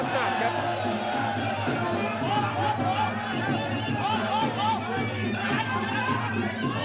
โอ้โหต่อกับทีมซ้ายโอ้โหโอ้โห